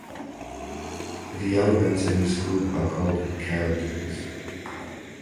The elements in this group are called "characters".